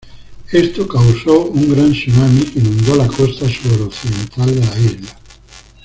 Esto causó un gran tsunami que inundó la costa suroccidental de la isla.